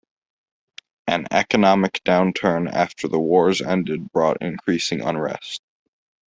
An economic downturn after the wars ended brought increasing unrest.